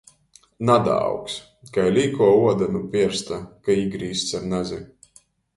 Nadaaugs. Kai līkuo uoda nu piersta, ka īgrīzts ar nazi.